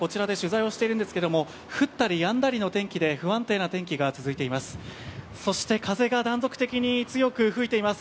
しかし、私達、朝からこちらで取材をしているんですけれども、降ったり、やんだりの天気で不安定な天気が続いています。